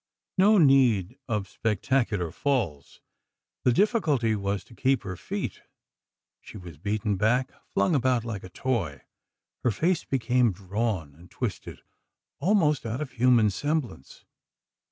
No need of spectacular "falls." The difficulty was to keep her feet. She was beaten back, flung about like a toy. Her face became drawn and twisted, almost out of human semblance.